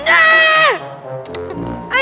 terima kasih pak